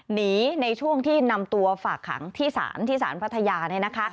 หนีในช่วงที่นำตัวฝากขังที่สารที่สารพัทยานะคะ